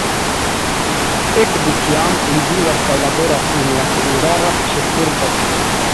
Ekde tiam li vivas kaj laboras en la hungara ĉefurbo.